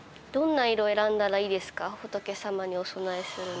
仏様にお供えするのに。